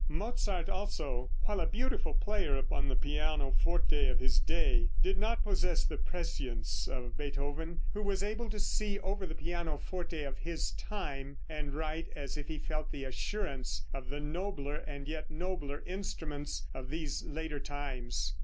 Mozart, also, while a beautiful player upon the pianoforte of his day, did not possess the prescience of Beethoven, who was able to see over the pianoforte of his time and write as if he felt the assurance of the nobler and yet nobler instruments of these later times.